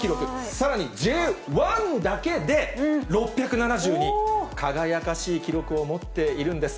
さらにＪ１だけで６７２、輝かしい記録を持っているんです。